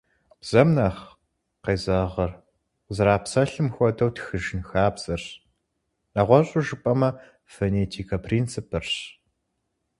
Бзэм нэхъ къезэгъыр къызэрапсэлъым хуэдэу тхыжын хабзэрщ, нэгъуэщӏу жыпӏэмэ, фонетикэ принципырщ.